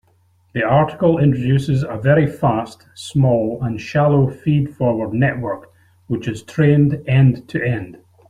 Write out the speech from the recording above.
The article introduces a very fast, small, and shallow feed-forward network which is trained end-to-end.